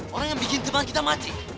orang yang bikin depan kita mati